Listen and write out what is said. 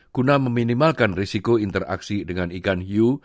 guna meminimalkan risiko interaksi dengan ikan hiu